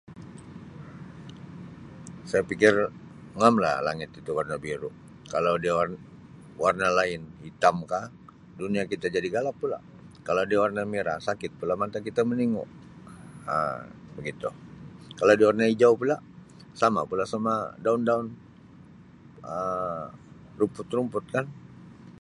Saya pikir ngamlah langit itu warna biru, kalau dia wa-warna lain, hitam ka, dunia kita jadi galap pula, kalau dia warna merah sakit pula mata kita meningu. Um begitu, kalau dia warna hijau pula sama pula sama daun-daun Um rumput-rumput kan